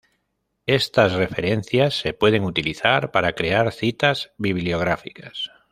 Estas referencias se pueden utilizar para crear citas bibliográficas.